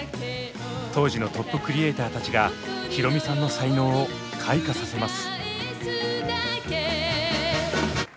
当時のトップクリエイターたちが宏美さんの才能を開花させます。